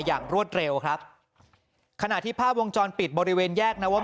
รวดเร็วครับขณะที่ภาพวงจรปิดบริเวณแยกนวก